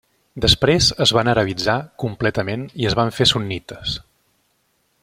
Després es van arabitzar completament i es van fer sunnites.